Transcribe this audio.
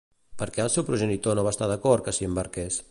Per què el seu progenitor no va estar d'acord que s'hi embarqués?